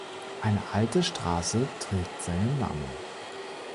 Eine alte Straße trägt seinen Namen.